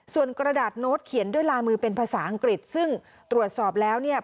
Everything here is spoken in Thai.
ส่วนกระดาษโน้ตเขียนด้วยลายมือเป็นภาษาอังกฤษซึ่งตรวจสอบแล้วเนี่ย